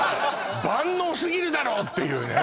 万能すぎるだろっていうね・